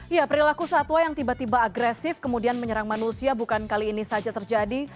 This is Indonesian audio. ya perilaku satwa yang tiba tiba agresif kemudian menyerang manusia bukan kali ini saja terjadi